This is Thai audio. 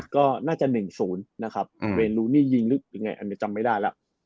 ก็น่าจะ๑๐นะครับเวลูนี่ยิงหรือยังไงอันนี้จำไม่ได้แล้ว